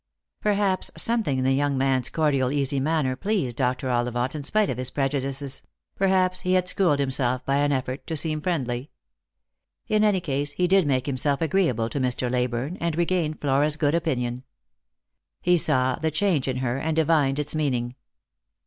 Perhaps something in the young man's cordial easy manner pleased Dr. Ollivant in spite of his prejudices ; perhaps he had schooled himself by an effort to seem friendly. In any case, he did make himself agreeable to Mr. Leyburne, and regained Flora's good opinion. He saw the change in her, and divined its meaning.